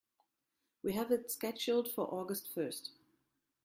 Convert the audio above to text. We have it scheduled for August first.